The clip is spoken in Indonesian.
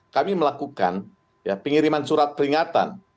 kami melakukan pengiriman surat peringatan